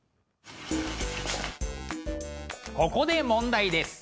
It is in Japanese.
ここで問題です。